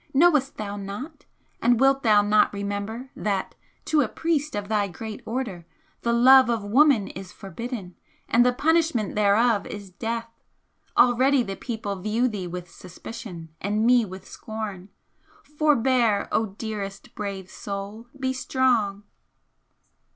Knowest thou not, and wilt thou not remember that, to a priest of thy great Order, the love of woman is forbidden, and the punishment thereof is death? Already the people view thee with suspicion and me with scorn forbear, O dearest, bravest soul! be strong!"